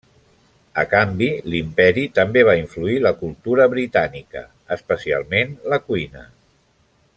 A canvi, l'Imperi també va influir la cultura britànica, especialment la cuina.